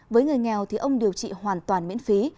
với người nghèo thì ông điều trị hoàn toàn miễn phí